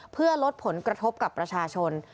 เพื่อลดผลกระทบกับประชาชน